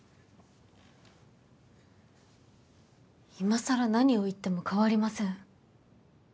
今更何を言っても変わりません。